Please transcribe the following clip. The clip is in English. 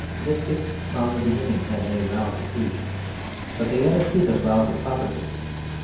Mystics from the beginning had made vows of peace but they added to them vows of poverty.